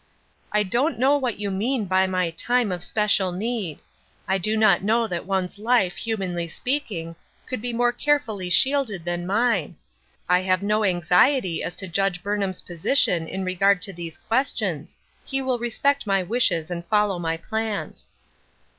" I don't know what you mean by my ' time of special need ;' I do not know that one's life, humanly speaking, could be more carefully shielded than mine. I have no anxiet}' as to Judge Burnham's position ii? 378 Ruth Ershine's Crosses. regard to these questions ; he will respect m} wishes and follow my plans."